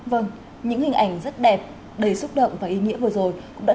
vâng những hình ảnh rất đẹp đầy xúc động và ý nghĩa vừa rồi cũng đã